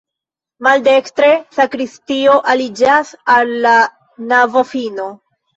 Maldekstre sakristio aliĝas al la navofino.